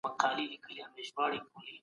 د دولت واکونه د پخوا په پرتله کم سوي دي.